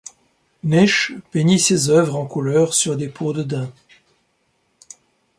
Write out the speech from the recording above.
Naiche peignit ses œuvres en couleur sur des peaux de daim.